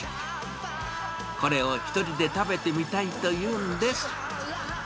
これを１人で食べてみたいというんです。